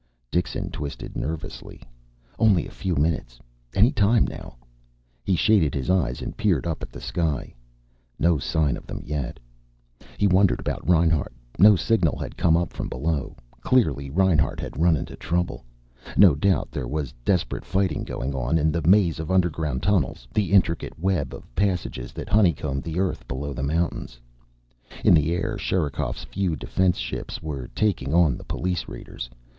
Dixon twisted nervously. Only a few minutes. Any time, now. He shaded his eyes and peered up at the sky. No sign of them yet. He wondered about Reinhart. No signal had come up from below. Clearly, Reinhart had run into trouble. No doubt there was desperate fighting going on in the maze of underground tunnels, the intricate web of passages that honeycombed the earth below the mountains. In the air, Sherikov's few defense ships were taking on the police raiders.